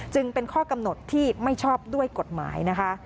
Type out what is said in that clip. จึงเป็นข้อกำหนดที่ไม่ชอบด้วยกฎหมายนะคะ